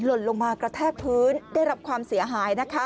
หล่นลงมากระแทกพื้นได้รับความเสียหายนะคะ